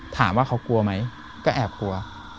ถามว่าเขากลัวไหมก็แอบกลัว